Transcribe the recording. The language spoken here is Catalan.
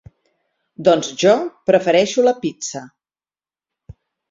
Doncs jo prefereixo la pizza.